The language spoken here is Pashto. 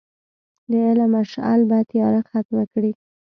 د علم مشعل به تیاره ختمه کړي.